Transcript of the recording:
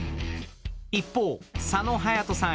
一方佐野勇斗さん